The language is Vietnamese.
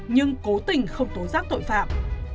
nhưng cố tình không tối giác tội phạm